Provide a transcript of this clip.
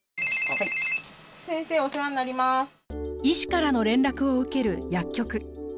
医師からの連絡を受ける薬局。